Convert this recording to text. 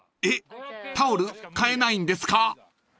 ［えっタオル買えないんですか？］